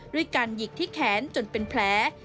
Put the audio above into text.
ด้วยการหยิกที่แขนจนเป็นแผล